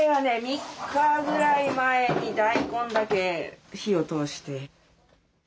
３日ぐらい前に大根だけ火を通して。